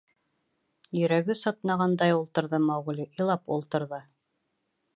Йөрәге сатнағандай ултырҙы Маугли, илап ултырҙы.